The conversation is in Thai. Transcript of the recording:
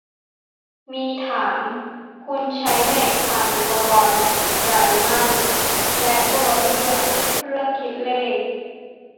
มีถาม "คุณใช้เน็ตผ่านอุปกรณ์ไรมั่ง" และตัวเลือก "เครื่องคิดเลข"